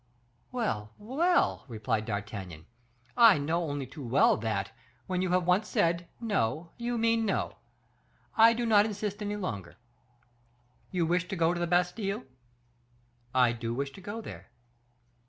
"Well, well," replied D'Artagnan, "I know only too well that, when you have once said, 'no,' you mean 'no.' I do not insist any longer; you wish to go to the Bastile?" "I do wish to go there."